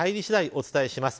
お伝えします。